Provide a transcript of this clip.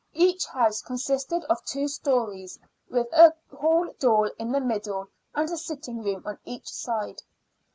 Each house consisted of two stories, with a hall door in the middle and a sitting room on each side.